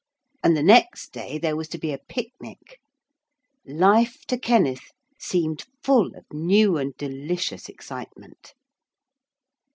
And the next day there was to be a picnic. Life to Kenneth seemed full of new and delicious excitement.